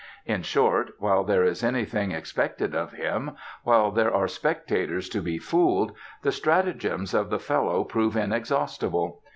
In short, while there is anything expected of him, while there are spectators to be fooled, the stratagems of the fellow prove inexhaustible.